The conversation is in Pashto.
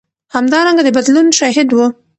همدارنګه د بدلون شاهد و.